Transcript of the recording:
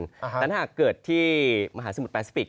แต่ถ้าหากเกิดที่มหาสมุทรปาซิฟิก